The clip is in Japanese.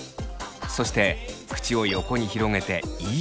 そして口を横に広げて「い」。